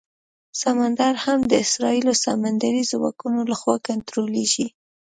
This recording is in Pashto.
سمندر هم د اسرائیلو د سمندري ځواکونو لخوا کنټرولېږي.